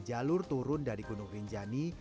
jalur turun dari gunung rinjani